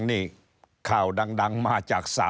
สวัสดีครับท่านผู้ชมครับ